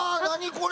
これ。